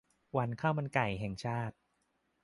วันข้าวมันไก่แห่งชาติ